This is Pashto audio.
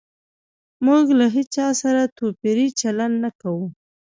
موږ له هيچا سره توپيري چلند نه کوو